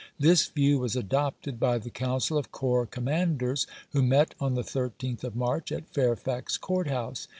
This view was adopted by the council of corps commanders, who met on the 13th of March at Fairfax Court House.